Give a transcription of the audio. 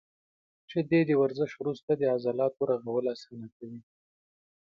• شیدې د ورزش وروسته د عضلاتو رغول اسانه کوي.